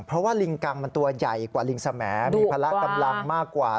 เพราะว่าลิงกังมันตัวใหญ่กว่าลิงสแหมดมีพละกำลังมากกว่า